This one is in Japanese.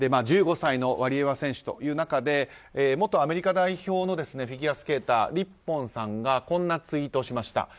１５歳のワリエワ選手という中で元アメリカ代表のフィギュアスケーターリッポンさんがこんなツイートをしました。